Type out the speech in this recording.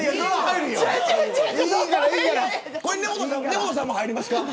根本さんも入りますか。